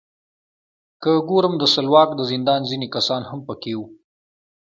که ګورم د سلواک د زندان ځینې کسان هم پکې وو.